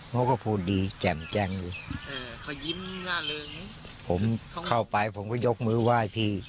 เขาก็พูดดีแจ่มแจ้งอยู่เออเขายิ้มล่าเริงผมเข้าไปผมก็ยกมือไหว้พี่